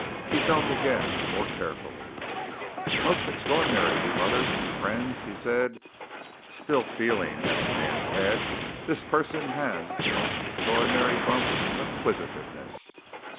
He felt again more carefully. "Most 'xtraor'nary!" he muttered. "Fren's," said he, still feeling at the man's head, "this person has the most extraor'nary bump of 'quisitiveness.